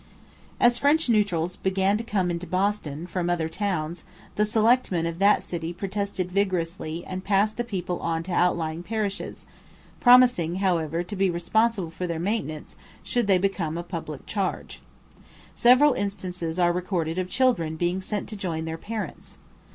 As French Neutrals began to come into Boston from other towns, the selectmen of that city protested vigorously and passed the people on to outlying parishes, promising, however, to be responsible for their maintenance should they become a public charge. Several instances are recorded of children being sent to join their parents.